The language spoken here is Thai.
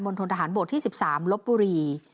ทนทหารบกที่๑๓ลบบุรี